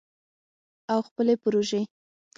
او خپلې پروژې